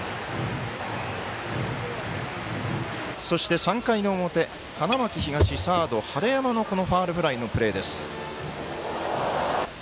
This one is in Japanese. そして３回の表、花巻東、サード晴山のファウルフライのプレー。